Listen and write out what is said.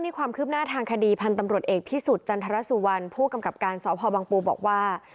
นี่ความคืบหน้าทางคดีพันธ์ตำรวจเอกพิสุทธิ์จันทรสุวรรณผู้กำกับการสพบังปูบอกว่า